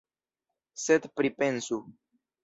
Sed pripensu.